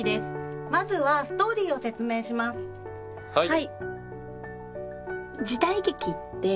はい！